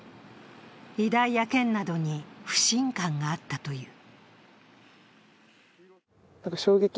医大や県などに不信感があったという。